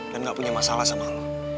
dan ga punya masalah sama lo